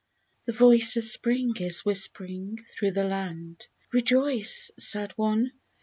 THE voice of Spring is whispering through the land, "Rejoice, sad one